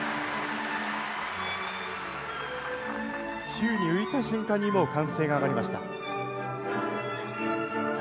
宙に浮いた瞬間にもう歓声が上がりました。